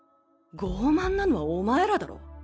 傲慢なのはお前らだろ。